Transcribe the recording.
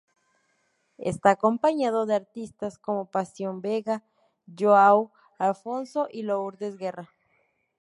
Está acompañado de artistas como Pasión Vega, João Afonso y Lourdes Guerra.